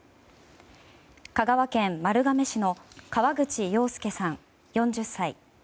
香川県丸亀市の河口洋介さん４０歳。